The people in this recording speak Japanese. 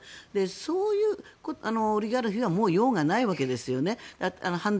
そういうオリガルヒはもう用がないわけですよね。